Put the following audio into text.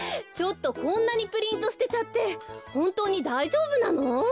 ちょっとこんなにプリントすてちゃってほんとうにだいじょうぶなの？